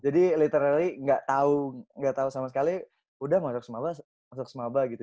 jadi literally gak tahu sama sekali udah masuk semaba gitu